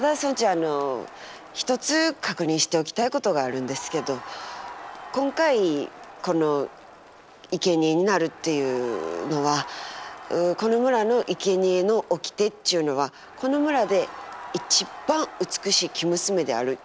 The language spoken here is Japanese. あの１つ確認しておきたいことがあるんですけど今回このいけにえになるっていうのはこの村のいけにえの掟っちゅうのはこの村で一番美しい生娘であるっちゅうことですよね。